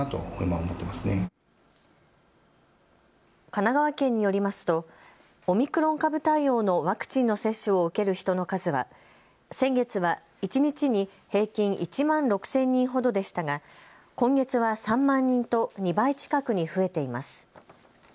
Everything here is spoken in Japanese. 神奈川県によりますとオミクロン株対応のワクチンの接種を受ける人の数は先月は一日に平均１万６０００人ほどでしたが今月は３万人と２倍近くに増えています。